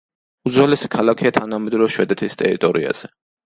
უძველესი ქალაქია თანამედროვე შვედეთის ტერიტორიაზე.